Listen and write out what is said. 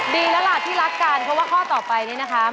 ดีแล้วล่ะที่รักกันเพราะว่าข้อต่อไปนี้นะคะ